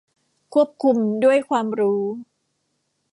ควบคุมด้วยความรู้